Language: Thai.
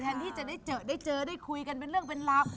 ที่จะได้เจอได้เจอได้คุยกันเป็นเรื่องเป็นราว